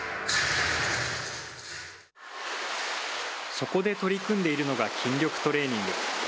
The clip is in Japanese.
そこで取り組んでいるのが筋力トレーニング。